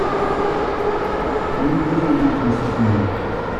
Nous devons donc les soutenir.